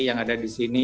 yang ada di sini